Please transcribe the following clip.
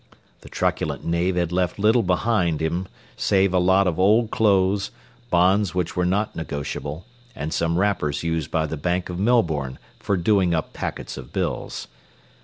The truculent knave had left little behind him save a lot of old clothes, bonds which were not negotiable, and some wrappers used by the bank of Melbourne for doing up packets of bills.